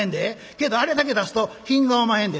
けどあれだけ出すと品がおまへんで」。